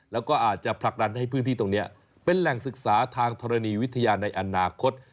แล้วก็อาจจะผลักดันให้พื้นที่ตรงนี้เป็นแหล่งศึกษาทางธรณีวิทยาในอนาคต